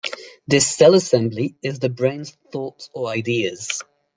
This cell assembly is the brain's thoughts or ideas.